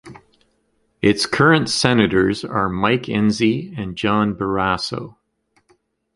Its current senators are Mike Enzi and John Barrasso.